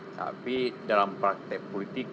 tapi dalam praktek politik